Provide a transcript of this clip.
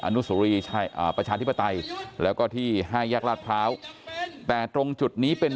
นุสุรีประชาธิปไตยแล้วก็ที่๕แยกลาดพร้าวแต่ตรงจุดนี้เป็น